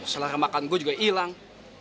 setelah makan gue juga hilang